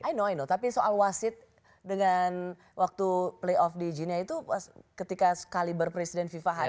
i know i know tapi soal wasit dengan waktu playoff di jini itu ketika sekali berpresiden viva hadir